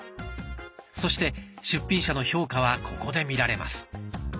そして出品者の評価はここで見られます。